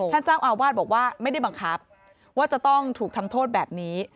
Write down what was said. ท่านเจ้าอาวาสบอกว่าไม่ได้บังคับว่าจะต้องถูกทำโทษแบบนี้